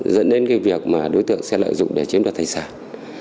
dẫn đến cái việc mà đối tượng sẽ lợi dụng để chiếm được thay sản